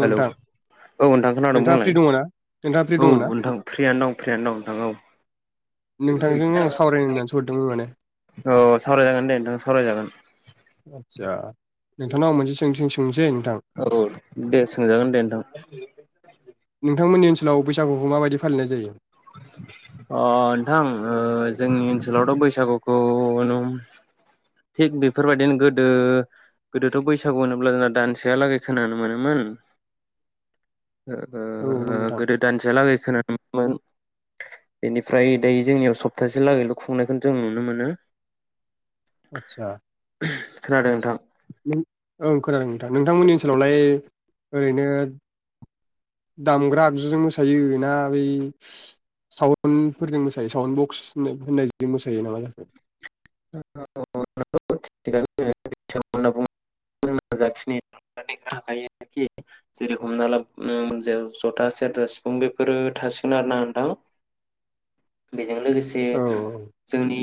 Hello औ नोंथां खोनादोंं नोंथाङा फ्रि बुंलाय दङ ना नोंथाङा फ्रि औ दङ ना नोंथां फ्रियानो दं फ्रियानो दं नोंथांजों आं सावरायनो होननानैसो हरदोंमोन माने नोंथां औ औ सावरायजागोन दे नोंथां सावराय जागोन। आदसा नोंथांनाव आं मोनसे सों थिं सोंसै नोंथां औ दे सोंजागोन दे नोंथां। नोंथांमोननि ओनसोलाव बैसागुखौ माबायदि फालिनाय जायो? अ नोंथां ओ जोंनि ओनसोलावथ' बैसागुखौ थिग बेफोरबायदिनो गोदो गोदोथ' बैसागु होनोब्ला जोंना दानसेयालागै खोनानो मोनोमोन। ओ औ नंगौ नोंथां गोदो दानसेया लागै खोनानो मोनोमोन। बेनिफ्राय दायो जोंनियाव सप्तासे लागैल' खुंनायखौ जों नुनो मोनो। आदसा खोनादों नोंथां। नों औ खोनादों नोंथां नोंथांमोननि ओनसोलावलाय ओरैनो दामग्रा आगजुजों मोसायो ना बै सावन्डफोरजों मोसायो साउन बक्स होन होननायजों मोसायो नामा जाखो? जाखिनायख [unintelligible] जेरै हमना ला ओ जथा, सेरजा, सिफुं बेफोरो थासिगोन आरोना नोंथां। बेजों लोगोसे औ जोंनि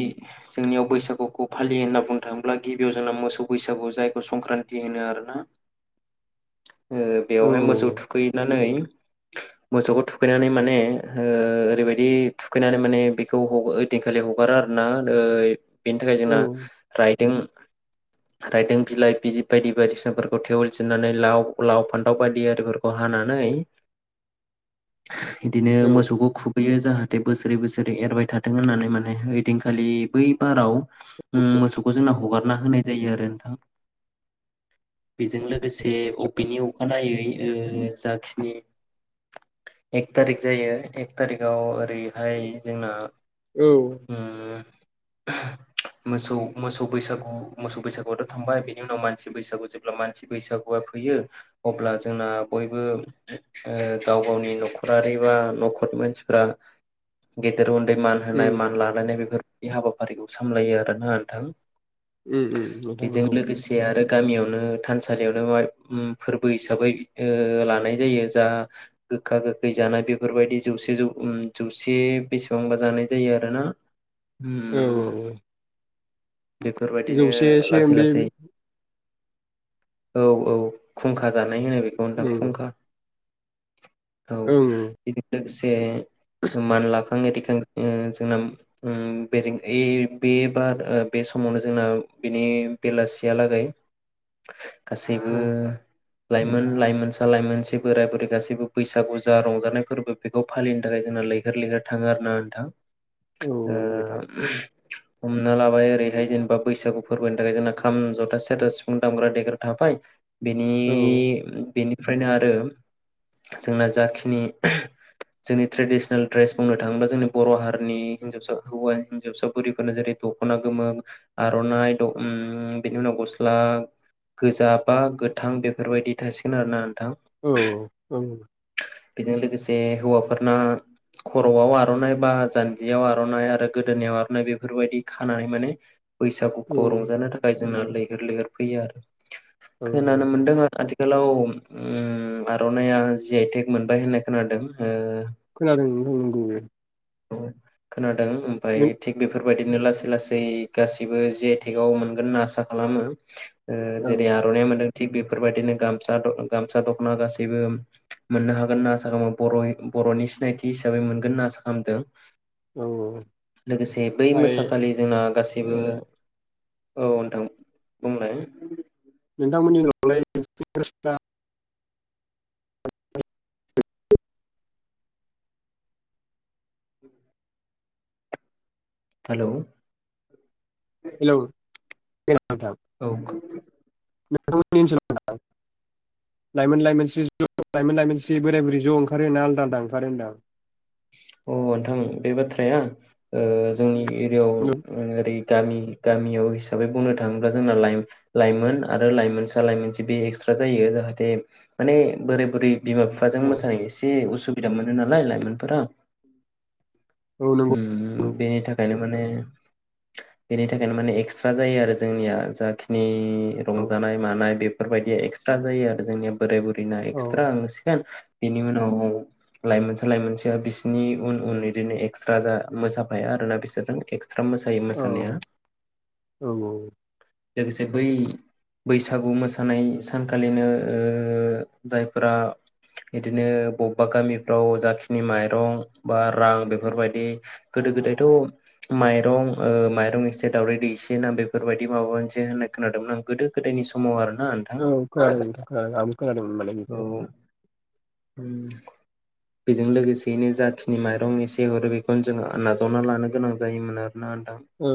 जोंनियाव बैसागुखौ फालियो होनना बुंनो थाङोब्ला गिबियाव जोंना मोसौ बैसागु जायखौ संक्रान्ति होनो आरोना। औ बेवहाय मोसौ थुखैनानै मोसौखौ थुखैनानै माने ओरैबायदि थुखैनानै माने बेखौ ओइदिनखालि हगारो आरोना बेनि थाखाय औ जोंना राइदों रायदों बिलाइ बिजि बायदि बायदिसिनाफोरखौ थेवोल जिरनानै लाव लाव फान्थाव बायदि आरिफोरखौ हानानै। बिदिनो औ मोसौखौ खुबैयो जाहाथे बोसोरै बोसोरै एरबाय थाथों होननानै माने ओइदिनखालि बै बाराव मोसौखौ जोंना हगारना होनाय जायो आरो नोंथां। बेजों लोगोसे अबेनि अखानायै जाखिनि एक थारिख जायो एक थारिकाव ओरैहाय जोंना औ ओ मोसौ मोसौ बैसागु मोसौ बैसागुआथ' थांबाय बिनि उनाव मानसि बैसागु जेब्ला मानसि बैसागुआ फैयो अब्ला जोंना बयबो गाव गावनि न'खरारि बा न'खर मानसिफ्रा गेदेर उन दै मान होनाय उम मान लालायनाय बेफोर बे हाबाफारिखौ सामलायो आरोना नोंथां। उम उम नोंथां बेजों नंगौ लोगोसे आरो गामियावनो थानसालियावनो मा फोरबो हिसाबै लानाय जायो जा गोखा गोखै जानाय बेफोरबायदि जौसे जौ जौसे बेसेबांबा जानाय जायो आरोना। औ उम औ बेफोर बायदिनो जौसेसो लासै बे लासै औ औ खुंखा जानाय नाय होनो बेखौ नोंथां ओं खुंखा औ ओं बिदिनो ए मानलाख [unintelligible] जोंना ओ बे बार बे समावनो जोंना बेनि बेलासियालागै गासैबो औ लाइमोन लाइमोनसा लाइमोनसि बोराय बुरै गासैबो बैसागु जा रंजानाय फोरबो बेखौ फालिनो थाखाय जोंना लैहोर लैहोर थाङो आरो ना नोंथां। औ ओ नोंथां हमना लाबाय ओरैहाय जेनेबा बैसागु फोरबोनि थाखाय जोंना खाम जथा सेरथा सिफुं दामग्रा देग्रा थाबाय। बेनि औ बेनि ओमफ्रायनो आरो जोंना जाखिनि जोंनि ट्रेडिसनेल ड्रेस बुंनो थाङोबा जोंनि बर' हारिनि हिनजावसा हौवा हिन्जावसा बुरिफोरनो जेरै दख'ना गोमो आर'नाइ बेनि उनाव गस्ला गोजा बा गोथां बेफोरबायदि थासिगोन आरो ना। औ औ। बेजों लोगोसे हौवाफोरनो खर'आव आर'नाइ बा जान जियाव आर'नाइ आरो गोदोनायाव आर'नाइ बेफोरबायदि खानानै माने बैसागुखौ रंजानो थाखाय जोंना लैहोर लैहोर फैयो आरो औ खोनानो मोनदों आथ आथि गोलाव उम आर'नाया जि आइ टेक मोनबाय होननाय खोनादों ओ खोनादों नोंथां नंगौ बे औ खोनाद दों ओमफाय नों थिक बेफोर फोरबायदिनो लासै लासै गासिबो जि आइ टेक आव मोनगोन होनना आसा खालामो ओ औ जेरै आर'नाया मोनदों थिग बेफोरबायदिनो गमसा दख' गामसा दख'ना गासैबो मोननो हागोन होनना आसा खामो बर'यिं बर'नि सिनायथि हिसाबै मोनगोन होनना आसा आंदों औ ओमफ्राय लोगोसे बै मोसाखालि जोंना गासै जेबो औ नोंथां बुंलाय नोंथांमोननि [unintelligible] हेलौ हेलौ औ [unintelligible] नोंथांमोननि [unintelligible] लाइमोन लाइमोन सि लाइमोन लाइमोन सि बोराय बुरै ज' ओंखारो ना आलदा आलदा ओंखारो होनदों आं औ नोंथां बे बाथ्राया ओ जोंनि एरियाव होनदां ओं ओरै गामि गामियाव हिसाबै बुंनो थाङोब्ला जोंना लाइ लाइमोन आरो लाइमोनसा लाइमोनस्रि बे एक्सट्रा जायो जाहाथे माने बोराइ बुरै बिमा बिफाजों औ मोसानो एसे उसु बिदा मोनो नालाय लाइमोनफोरा औ नंगौ उम नंगौ बेनि थाखायनो माने बेनि थाखायनो माने एक्सट्रा जायो आरो जोंनिया जाखिनि उम औ रंजानाय मानाय बे फोरबायदि एक्सट्रा जायो आरो जोंनिया बोराय बुरै ना औ एक्सट्रा मोसिगोन बेनि उनाव लाइमोनसा लाइमोनसेया बिसोरनि उन उन बिदिनो एरैनो ए स्रा जा मोसाफाया आरोना बिसोरजों एक्स स्रा मोसायो औ मोसानाया औ लोगोसे बै बैसागु मोसानाय सानखालिनो जायफोरा बिदिनो बबेबा गामिफ्राव जाखिनि माइरं बा रां बे फोरबायदि गोदो गोदायथ' माइरं माइरं एसे दाउदै दैसे ना बेफोरबायदि माबा मोनसे होननाय खोनादोंमोन आं गोदो गोदायनि समाव आरो औ खोनादों खोनादों आंबो खोनादों माने बिखौ उम बेजों लोगोसेयैनो जाखिनि माइरं एसे जि हरो बेखौनो जोङो नाजावना लानो गोनां जायोमोन आरो। ना नोंथां। औ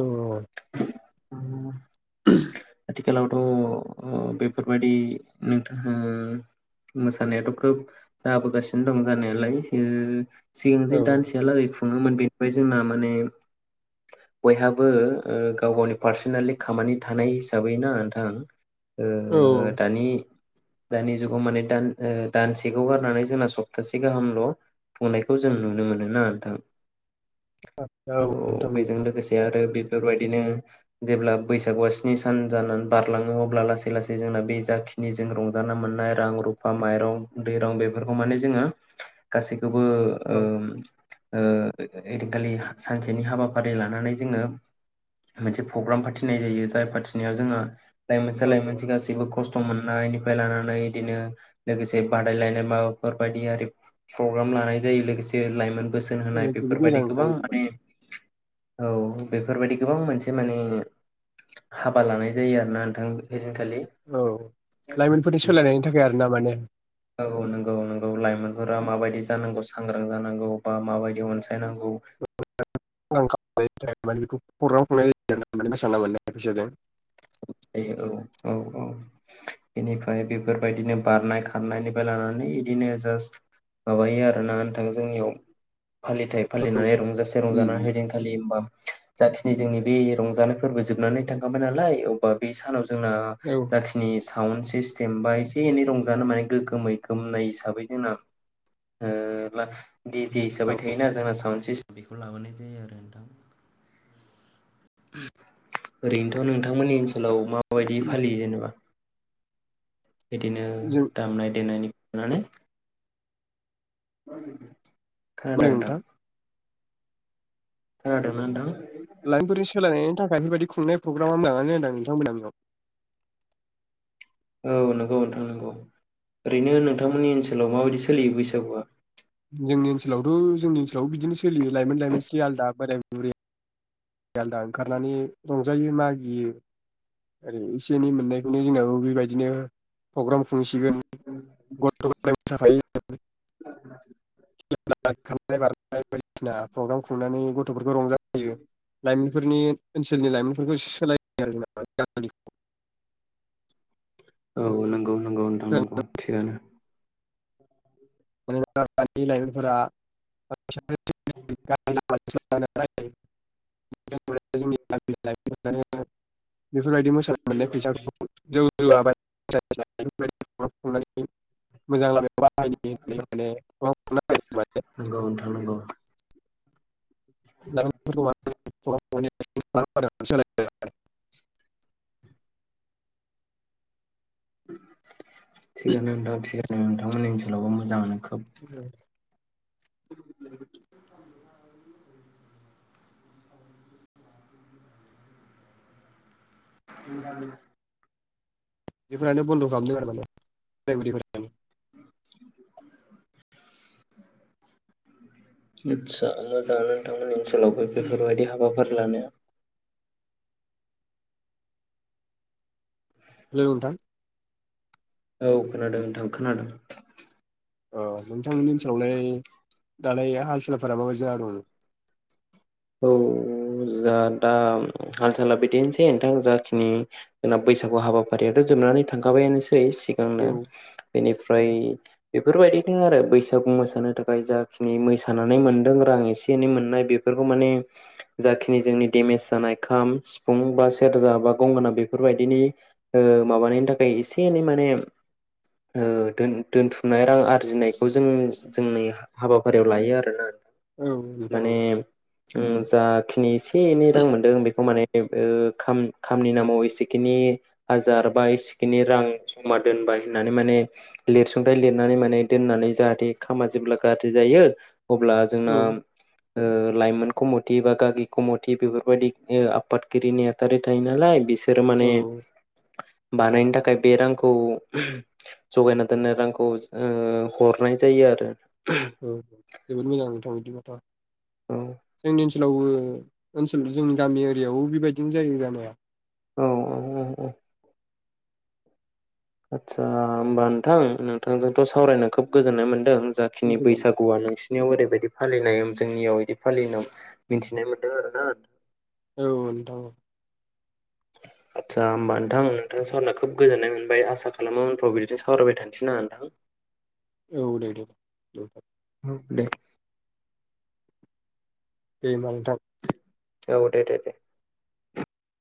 अ [inaudible] [inaudible] आथिलावथ' बेफोरबायदि नोंथां मोसानायाथ' खोब जाबोगासिनो दं जानायालाय सिग औ [unintelligible] दान औ खुङोमोन बेनिफ्राय जोंना माने बयहाबो ओ गाव गावनि पार्सनेलि खामानि थानाय हिसाबै ना नोंथां। औ ओ दानि दानि जुगाव माने दान दानसेखौ गारनानै जोंना सप्तासे गाहामल' खुंनायखौ जों नुनो मोनो। ना नोंथां। औ नोंथां बेजों नंगौ लोगोसे आरो। बेफोरबायदिनो जेब्ला बैसागुआ स्नि सान जानानै बारलाङो अब्ला लासै लासै जोंना बे जाखिनिजों रंजाना मोननाय रां रुफा माइरं दैरं बेफोरखौ माने जोङो गासै खोबो औ ओ [unintelligible] दिखालि सानसेनि हाबाफारि लानानै जोङो मोनसे प्रग्राम फाथिनाय जायो जाय फाथिनायाव जोङो। लाइमोनसा औ लाइमोनसि गासिबो खस्थ' मोननायनिफ्राय लानानै बिदिनो लोगोसे बादायलायनाय माबाफोरबायदि आरि प्रग्राम लानाय जायो लोगोसे लाइमोन बोसोन औ होनाय जोबोद बेफोरबायदि मोजां नोंथां गोबां बिदिबाथ' माने औ बेफोरबायदि गोबां मोनसे माने हाबा लानाय जायो आरोना नोंथां। ओइदिनखालि औ लाइमोनफोरनि सोलायनायनि थाखाय आरोना माने। औ औ नंगौ नंगौ नंगौ लाइ मोनफोरा माबायदि जानांगौ। सांग्रां जानांगौ। मा मा माबायदि अन [unintelligible] [unintelligible] मोसाना मोननाय फैसाजों। औ औ औ बेनिफ्राय बेफोरबायदिनो बारनाय खारनायनिफ्राय लानानै बिदिनो जास्ट माबायो आरोना नोंथां जोंनियाव। फालिथाइ फालिनाय रंजासे रंजानानै उम हैदिनखालि होमबा। जाखिनि जोंनि बे रंजानाय फोरबो जोबनानै थांखांबाय नालाय एवबा बे सानाव जोंना औ जाखिनि साउड सिस्टेम बा एसे एनै रंजानो माने गोगोमै गोमनाय हिसाबै जोंना ओ। दि जे हिसाबै औ थायोना जोंना साउन्ड सिस बेखौ लाबोनाय जायो आरो नोंथां। ओरैनोथ' नोंथांमोननि ओनसोलाव मा बायदि फालियो जेनेबा बिदिनो जों दामनाय देनायनि नानै मा खोनादों होनदों नोंथां। खोनादों ना नोंथां? लाइमोनफोरनि सोलायनायनि थाखाय बेफोरबायदि खुंनाय [unintelligible] औ नंगौ नोंथां नंगौ ओरैनो नोंथांमोननि ओनसोलाव माबायदि सोलियो बैसागुआ? जोंनि ओनसोलावथ' जोंनि ओनसोलाव बिदिनो सोलियो लाइमोन लाइमोन स्रि आलदा बोराय बुरै आलदा ओंखारनानै रंजायो मागियो ओरै एसे एनै मोननायखौनो जोंनाबो बेबायदिनो प्रग्राम खुंसि सिगोन गथ' [unintelligible] [unintelligible] खारनाय बारनाय बायदिसिना प्रग्राम खुंनानै गथ'फोरखौ रंजा होयो लाइमोनफोरनि ओनसोलनि लाइमोनफोरखौ सोलाय आरो [unintelligible] औ नंगौ। नंगौ नोंथां नंगौ थिगानो। मानोना दानि लाइमोनफोरा [unintelligible] [unintelligible] बेफोरबायदि मोसानाय मोननाय फैसाखौ जौ [unintelligible] मोजां लामायाव [unintelligible] औ [unintelligible] नंगौ नोंथां नोंगौ। [unintelligible] [unintelligible] थिगानो नोंथां थिगानो नोंथांमोननि ओनसोलावबो मोजाङानो। खोब बुंलाय [unintelligible] [unintelligible] बेफोरानो बन्द' खालामदों आरो माने [unintelligible] मोदसा मोजाङानो नोंथांमोननि सोलावबो बेफोरबायदि हाबा फोरलानो हेल' नोंथां। औ खोनादों नोंथां खोनादों नोंथांमोननि ओनसोलावलाय दालाय हाल सालफोरा माबादि जाना दं औ जा दा हाल साला बिदिनोसै नोंथां जाखिनि जोंना बैसागु हाबाफारियाथ' जोबनानै थांखाबायानोसै सै औ सिगांनो बेनिफ्राय बेफोरबायदिनो आरो बैसागु मोसानो थाखाय जाखिनि मोसानानै मोनदों रां एसे एनै मोननाय बेफोर खौ माने जाखिनि जोंनि देमेज जानाय खाम सिफुं बा सेरजा बा गंगोना बेफोरबायदिनि माबानायनि थाखाय एसे एनै माने दोनथुमनाय रां आरो आरजिनायखौ जों जोंनि हाबाफारियाव लायो आरोना औ माने औ उम जाखिनि एसे एनै रां मोनदों बेखौ माने खामनि नामाव एसेखिनि हाजार बा एसेखिनि रां जमा दोनबाय होननानै माने लिरसुंथाइ लिरनानै माने दोननानै जाहाथे खामा जेब्ला गाज्रि जायो अब्ला औ जोंना ओ लाइमोन कमथि बा गागि कमथि बेफोरबायदि आफादगिरि नेहाथारि थायो नालाय बिसोर बिसोर औ माने बानायनो थाखाय बे रांखौ जगायना दोननाय रांखौ ओ हरनाय जायो आरो औ जोबोद मोजां नोंथां बिदिबा [unintelligible] औ ओनसोलावबो ओनसोल जोंनि गामि एरियायावबो बेबायदिनो जायो जानाया औ औ औ आदसा होमबा नोंथां नोंथांजोंथ' सावरायनो खोब गोजोननाय मोन्दों जाखिनि बैसागुआ नोंसिनियाव ओरैबायदि फालिनाय जोंनियाव बिदि फालिनायाव मिथिनाय मोन्दों आरोना औ नोंथां आदसा होमबा नोंथां नोंथां सावरायना खोब गोजोननाय मोनबाय आसा खालामो उनफ्राव बिदिनो सावरायबाय थानोसैना नोंथां औ दे दे दे औ दे दे होनबा नोंथां औ दे दे दे